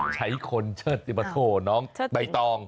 ใช้คนเชิดติปโทน้องใบตอง